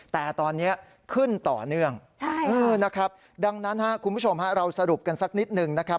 แต่ตอนนี้ขึ้นต่อเนื่องนะครับดังนั้นคุณผู้ชมฮะเราสรุปกันสักนิดหนึ่งนะครับ